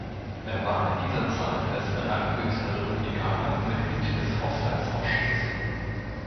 Er war in dieser Zeit als ranghöchster Republikaner Mitglied des Haushaltsausschusses.